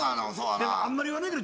でもあんまり言わないでしょ。